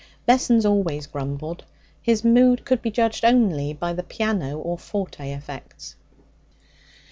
Vessons always grumbled. His mood could be judged only by the piano or forte effects.